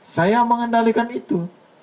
saya mengendalikan itu